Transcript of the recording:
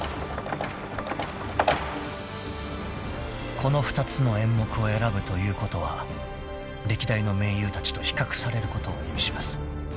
［この２つの演目を選ぶということは歴代の名優たちと比較されることを意味します］